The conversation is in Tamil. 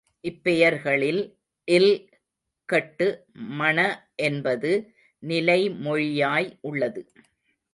இப்பெயர்களில் ல் கெட்டு மண என்பது நிலைமொழியாய் உள்ளது.